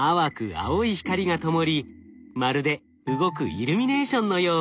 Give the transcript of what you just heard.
青い光がともりまるで動くイルミネーションのよう。